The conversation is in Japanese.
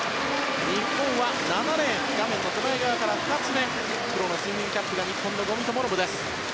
日本は７レーン画面の手前側から２つ目黒のスイミングキャップが日本の五味智信です。